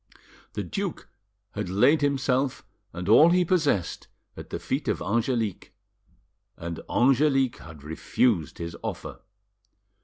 The duke had laid himself and all he possessed at the feet of Angelique, and Angelique had refused his offer.